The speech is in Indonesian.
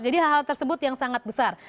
jadi hal hal tersebut yang sangat besar